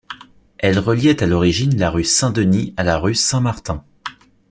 Elle reliait à l'origine la rue Saint-Denis à la rue Saint-Martin.